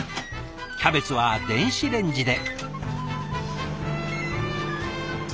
キャベツは電子レンジで。